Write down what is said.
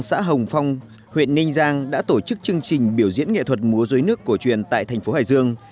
xã hồng phong huyện ninh giang đã tổ chức chương trình biểu diễn nghệ thuật múa dối nước cổ truyền tại thành phố hải dương